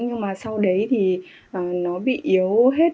nhưng mà sau đấy thì nó bị yếu hết